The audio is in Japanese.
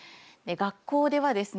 学校ではですね